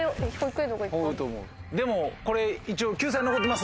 でもこれ一応救済残ってますんで。